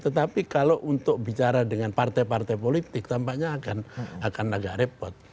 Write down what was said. tetapi kalau untuk bicara dengan partai partai politik tampaknya akan agak repot